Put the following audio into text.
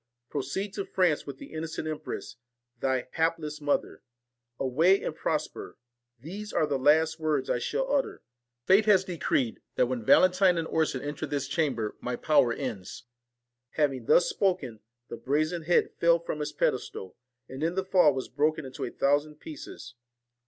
Proceed to France with the innocent empress, thy hapless mother. Away, and prosper ! These are the last words I shall utter. Fate has decreed, that when Valentine and Orson enter this chamber, my power ends.' Having thus spoken, the brazen head fell from its pedestal, and in the fall was broken into a thou sand pieces.